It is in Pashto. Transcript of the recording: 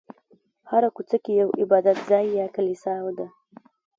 هره کوڅه کې یو عبادت ځای یا کلیسا ده.